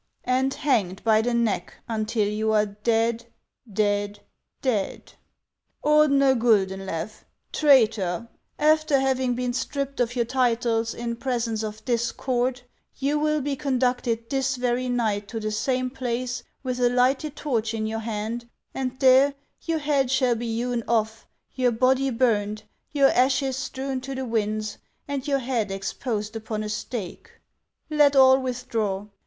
and hanged by the neck until you are dead, dead, dead !" Ordener Guldenlew, traitor, after having been stripped of your titles in presence of this court, you will be con ducted this very night to the same place, with a lighted torch in your hand, and there your head shall be hewn off, your body burned, your ashes strewn to the winds, and your head exposed upon a stake. Let all withdraw.